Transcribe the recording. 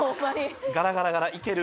ガラガラガラ行ける？